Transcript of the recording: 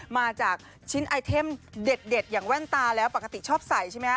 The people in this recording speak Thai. มาจากชิ้นไอเทมเด็ดอย่างแว่นตาแล้วปกติชอบใส่ใช่ไหมฮ